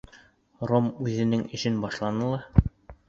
Ром үҙенең эшен башланы ла.